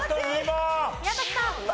宮崎さん。